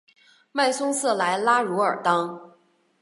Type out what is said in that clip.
迈松瑟莱拉茹尔当。